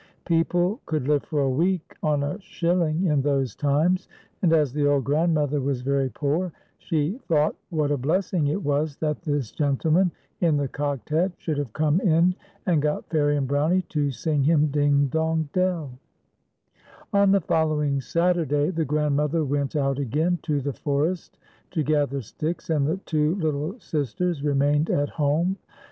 People could live for a week on a shilling in those times ; and as the old grandmother was very poor, she thought what a blessing it was that this gentleman in the cocked hat should have come in and got Fairie and Brownie to sing him " Ding, dong, dell," FAIRIE AXD BROW ME. 169 On the following Saturday the f^rand mother went out a<jain to the forest to gather sticks, and the two little sisters remained at home.